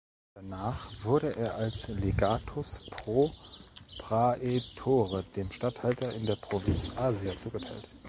Danach wurde er als Legatus pro praetore dem Statthalter in der Provinz Asia zugeteilt.